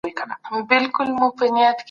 غړي به د بېکارۍ د ستونزي د حل غوښتنه وکړي.